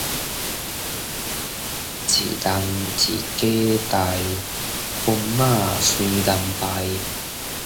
一人一家代，公媽隨人拜